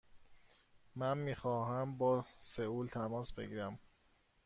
من می خواهم با سئول تماس بگیرم.